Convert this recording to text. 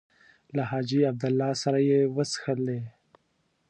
له حاجي عبدالله سره یې وڅښلې.